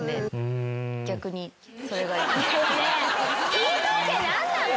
聞いといて何なの！？